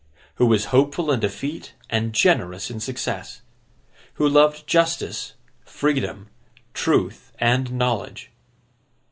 Who was hopeful in defeat, and generous in success. Who loved justice, freedom, truth, and knowledge.